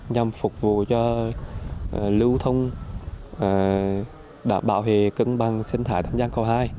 nhằm phục vụ cho lưu thông bảo hệ cân bằng sinh thái thám giang cầu hai